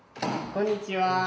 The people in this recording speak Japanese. こんにちは。